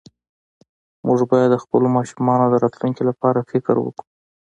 مونږ باید د خپلو ماشومانو د راتلونکي لپاره فکر وکړو